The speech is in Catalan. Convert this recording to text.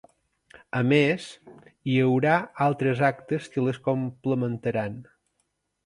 A més, hi haurà altres actes que les complementaran.